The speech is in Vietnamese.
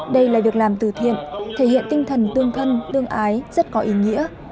đây là việc làm từ thiện thể hiện tinh thần tương thân tương ái rất có ý nghĩa